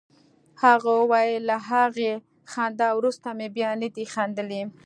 هغه ویل له هغې خندا وروسته مې بیا نه دي خندلي